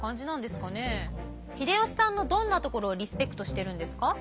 秀吉さんのどんなところをリスペクトしてるんですか？